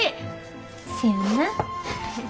せやな。